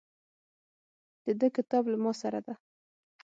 د ده کتاب له ماسره ده.